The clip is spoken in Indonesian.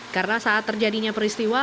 karena saat terjadinya peristiwa